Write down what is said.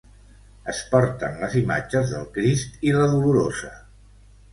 Es porten les imatges del Crist i la Dolorosa.